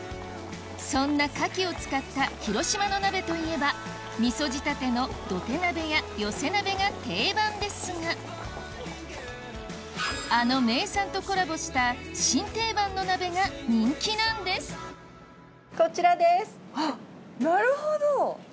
そんな牡蠣を使った広島の鍋といえば味噌仕立ての土手鍋や寄せ鍋が定番ですがあの名産とコラボした新定番の鍋が人気なんですこちらです。